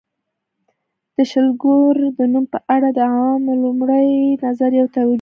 د شلګر د نوم په اړه د عوامو لومړی نظر یوه توجیه لري